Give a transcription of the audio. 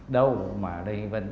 đâu mà lê vân có